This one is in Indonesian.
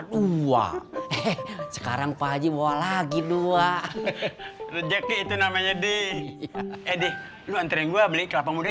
dua sekarang pak haji bawa lagi dua rezeki itu namanya di edih lu antre gua beli kelapa muda